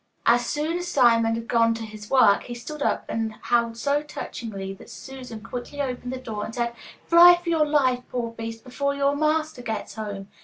As soon as Simon had gone to his work, he stood up and howled so touchingly that Susan quickly opened the door, and said 'Fly for your life, poor beast, before your master gets home.